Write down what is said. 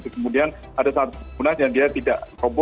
kemudian ada satu bangunan yang dia tidak robo